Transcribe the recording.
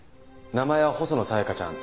名前は細野紗弥香ちゃん。